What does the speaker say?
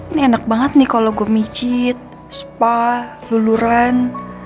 ini enak banget nih kalau gua micit spa luluran